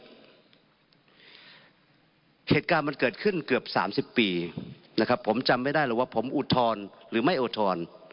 เหตุการณ์มันเกิดขึ้นเกือบ๓๐ปีนะครับผมจำไม่ได้หรอกว่าผมอุทธรณ์หรือไม่อุทธรณ์